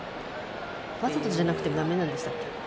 わざとじゃなくてもだめなんでしたっけ。